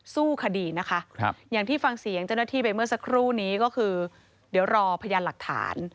สู้คดีนะคะอย่างที่ฟังเสียงเจ้าหน้าที่ไปเมื่อสักครู่นี้ก็คือเดี๋ยวรอพยานหลักฐาน